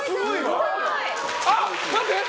あ、待って。